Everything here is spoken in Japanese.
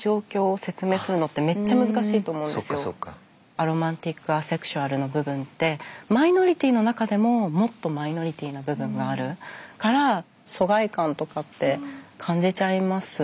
アロマンティック・アセクシュアルの部分ってマイノリティーの中でももっとマイノリティーな部分があるから疎外感とかって感じちゃいますよね。